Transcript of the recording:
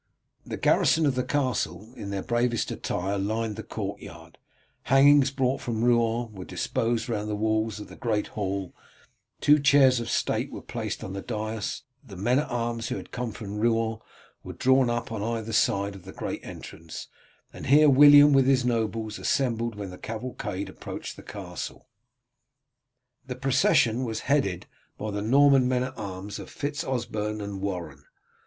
The garrison of the castle in their bravest attire lined the courtyard, hangings brought from Rouen were disposed round the walls of the great hall, two chairs of state were placed on the dais, the men at arms who had come from Rouen were drawn up on either side of the great entrance, and here William with his nobles assembled when the cavalcade approached the castle. The procession was headed by the Norman men at arms of Fitz Osberne and Warren.